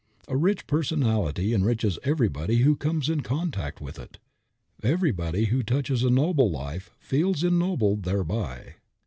A rich personality enriches everybody who comes in contact with it. Everybody who touches a noble life feels ennobled thereby.